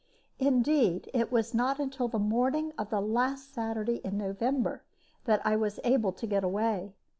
Indeed, it was not until the morning of the last Saturday in November that I was able to get away.